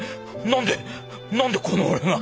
何で何でこの俺が！？